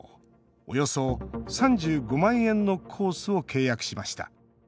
およそ３５万円のコースを契約しました。